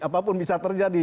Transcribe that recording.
apapun bisa terjadi